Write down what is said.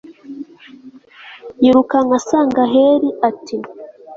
yirukanka asanga heli, ati